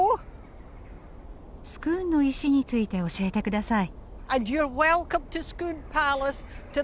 スクーンの石について教えてください。